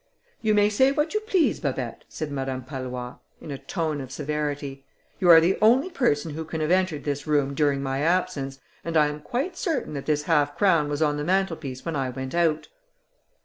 "You may say what you please, Babet," said Madame Pallois, in a tone of severity, "you are the only person who can have entered this room during my absence, and I am quite certain that this half crown was on the mantelpiece when I went out."